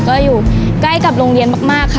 ก็อยู่ใกล้กับโรงเรียนมากค่ะ